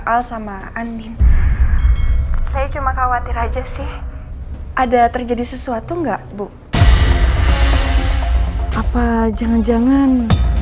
al sama andin saya cuma khawatir aja sih ada terjadi sesuatu enggak bu apa jangan jangan